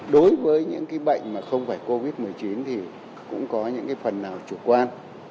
đối với những bệnh mà không phải covid một mươi chín thì cũng có những phần nào chủ quan